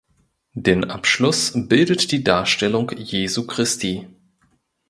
Den Abschluss bildet die Darstellung Jesu Christi.